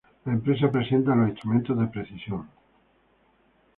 La Empresa presenta a los instrumentos de precisión.